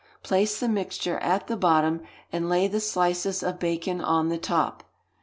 Place the mixture at the bottom, and lay the slices of bacon on the top.